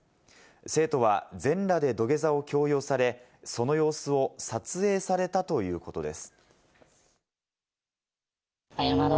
生徒は全裸で土下座を強要され、その様子を撮影されたということです。